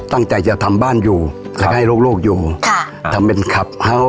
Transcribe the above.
ตั้งใจจะทำบ้านอยู่ค่ะแล้วก็ให้โรคโรคอยู่ค่ะค่ะทำเป็นคับเฮ้า